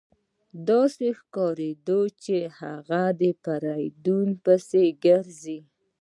داسې ښکارېده چې هغه په فریدګل پسې ګرځي